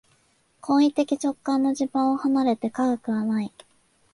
行為的直観の地盤を離れて科学はない。